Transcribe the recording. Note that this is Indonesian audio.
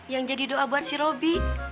yang jadi doa buat si roby